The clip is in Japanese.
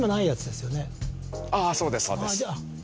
あっそうですそうです。